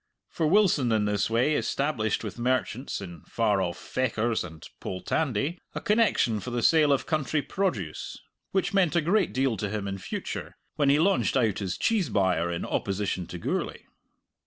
For Wilson in this way established with merchants, in far off Fechars and Poltandie, a connection for the sale of country produce which meant a great deal to him in future, when he launched out as cheese buyer in opposition to Gourlay.